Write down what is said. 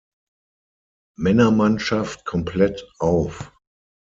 Männermannschaft komplett auf.